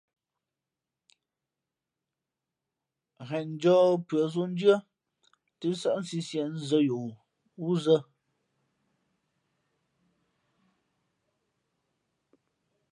Ghen njᾱᾱ pʉα zǒ ndʉ̄ᾱ tᾱ nsάʼ sisiē nzᾱ yo wúzᾱ.